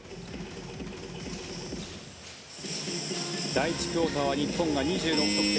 第１クオーターは日本が２６得点。